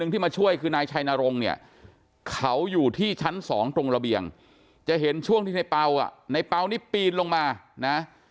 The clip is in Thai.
ตรงระเบียงจะเห็นช่วงที่ในเปล่าอ่ะในเปล่านี้ปีนลงมานะฮะ